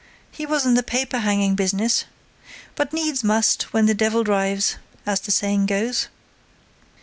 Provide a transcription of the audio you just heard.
"He was in the paper hanging business. But needs must, when the devil drives, as the saying goes."